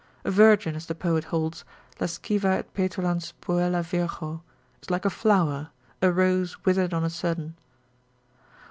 A virgin, as the poet holds, lasciva et petulans puella virgo, is like a flower, a rose withered on a sudden.